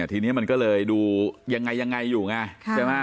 ทีนี้มันก็เลยดูยังไงอยู่ไง